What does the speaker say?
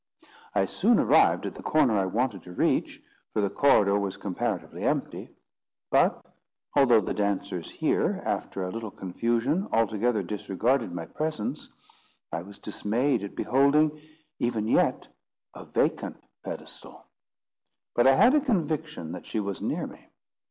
I soon arrived at the corner I wanted to reach, for the corridor was comparatively empty; but, although the dancers here, after a little confusion, altogether disregarded my presence, I was dismayed at beholding, even yet, a vacant pedestal. But I had a conviction that she was near me.